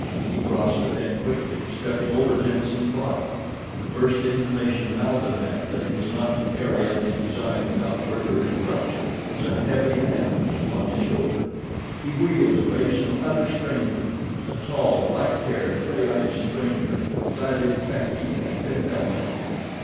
He crossed the tent quickly, stepping over Jenssen's body. The first intimation Malbihn had that he was not to carry out his design without further interruption was a heavy hand upon his shoulder. He wheeled to face an utter stranger—a tall, black haired, gray eyed stranger clad in khaki and pith helmet.